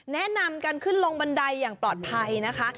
แนะนำกันขึ้นลงบันไดอย่างปลอดภัยนะคะ